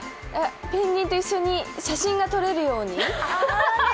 ペンギンと一緒に写真が撮れるように？